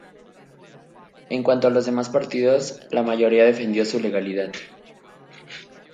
En cuanto a los demás partidos, la mayoría defendió su legalidad.